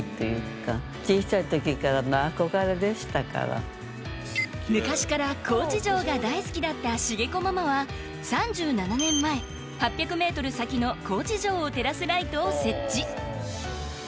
私ね昔から高知城が大好きだった滋子ママは３７年前８００ｍ先の高知城を照らすライトを設置。